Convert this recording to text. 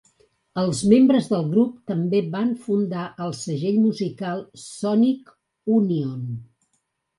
Els membres del grup també van fundar el segell musical Sonic Unyon.